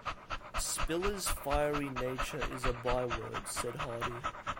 "Spiller's fiery nature is a byword," said Hardy.